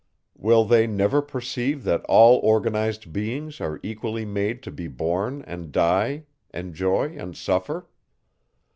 Will they never perceive that all organized beings are equally made to be born and die, enjoy and suffer?